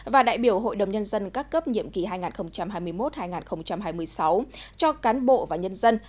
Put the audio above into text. và đại biểu hội đồng nhân dân các cấp nhiệm kỳ hai nghìn hai mươi một hai nghìn hai mươi sáu cho cán bộ và nhân dân